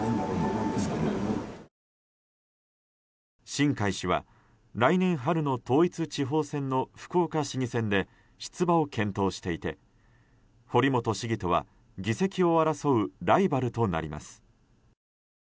新開氏は来年春の統一地方選の福岡市議選で出馬を検討していて堀本市議とは議席を争うライバルとなります。